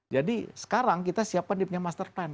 jadi sekarang kita siapkan dia punya master plan